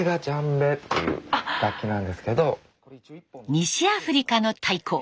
西アフリカの太鼓。